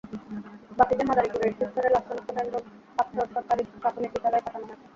বাকিদের মাদারীপুরের শিবচরে লাশ শনাক্ত কেন্দ্র পাচ্চর সরকারি প্রাথমিক বিদ্যালয়ে পাঠানো হয়েছে।